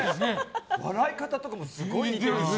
笑い方とかもすごい似てるし。